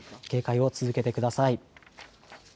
警戒を続けてください。